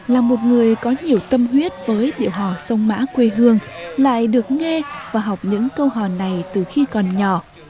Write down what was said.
là một người có nhiều tâm huyết với điệu hò sông mã quê hương lại được nghe và học những câu hò này từ khi còn nhỏ